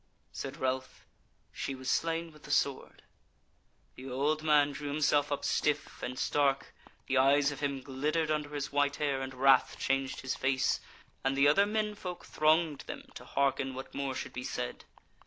Said Ralph: "She was slain with the sword." The old man drew himself up stiff and stark, the eyes of him glittered under his white hair, and wrath changed his face, and the other men folk thronged them to hearken what more should be said.